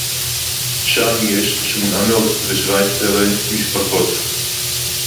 שם יש שמונה מאות ושבע עשרה משפחות